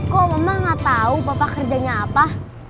kok mama gak tahu papa kerjanya apa